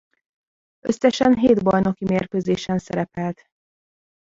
Összesen hét bajnoki mérkőzésen szerepelt.